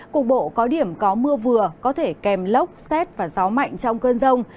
cục bộ có điểm có mưa vừa có thể kèm lốc xét và gió mạnh trong cơn rông